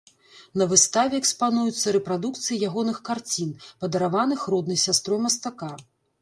На выставе экспануюцца рэпрадукцыі ягоных карцін, падараваных роднай сястрой мастака.